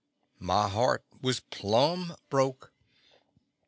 My heart was plumb broke.